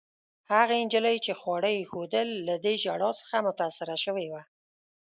هغې نجلۍ، چي خواړه يې ایښوول، له دې ژړا څخه متاثره شوې وه.